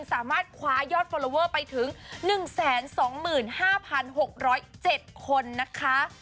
สามารถคว้ายอดฟอลลอเวอร์ไปถึง๑๒๕๖๐๗คนนะคะ